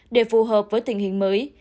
để phù hợp với tình hình mới